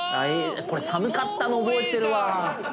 「寒かったの覚えてるわ」